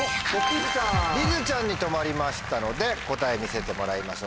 りづちゃんに止まりましたので答え見せてもらいましょう。